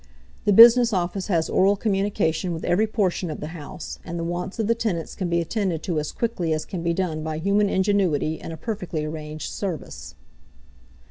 The business office has oral communication with every portion of the house, and the wants of the tenants can be attended to as quickly as can be done by human ingenuity and a perfectly arranged service.